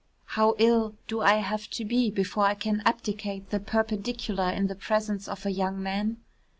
"How ill do I have to be before I can abdicate the perpendicular in the presence of a young man?"